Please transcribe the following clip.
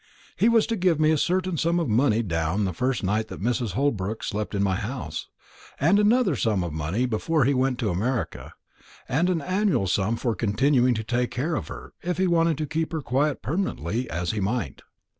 He was to give me a certain sum of money down the first night that Mrs. Holbrook slept in my house; and another sum of money before he went to America, and an annual sum for continuing to take care of her, if he wanted to keep her quiet permanently, as he might.